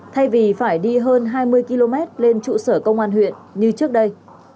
thay vì phải đi hơn hai mươi km lên trụ sở công an huyện như trước đây